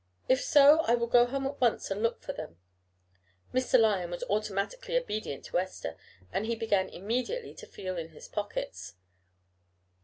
If so, I will go home at once and look for them." Mr. Lyon was automatically obedient to Esther, and he began immediately to feel in his pockets.